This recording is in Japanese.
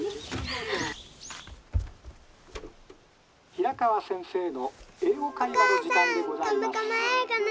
「平川先生の『英語会話』の」。